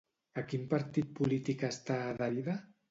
A quin partit polític està adherida?